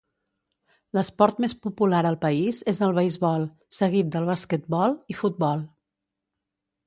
L'esport més popular al país és el beisbol, seguit de basquetbol i futbol.